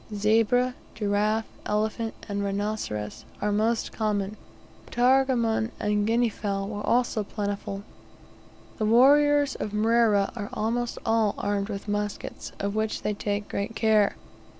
Zebra, giraffe, elephant, and rhinoceros are most common; ptarmigan and guinea fowl were also plentiful. The warriors of Mrera are almost all armed with muskets, of which they take great care.